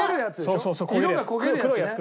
そうそうそう焦げるやつ。